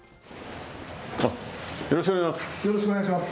よろしくお願いします。